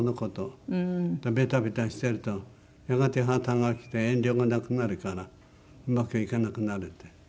ベタベタしてるとやがて破綻がきて遠慮がなくなるからうまくいかなくなるって。